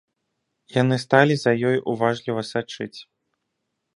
Яны сталі за ёй уважліва сачыць.